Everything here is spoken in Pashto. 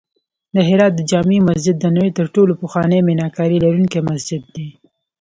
د هرات د جمعې مسجد د نړۍ تر ټولو پخوانی میناکاري لرونکی مسجد دی